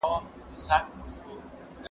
کتابونو کي راغلې دا کيسه ده